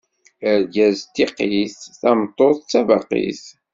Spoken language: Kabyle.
Argaz d tiqqit, tameṭṭut d tabaqit.